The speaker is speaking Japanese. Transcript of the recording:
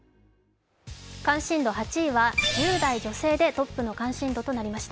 関心度８位は１０代女性でトップとなりました。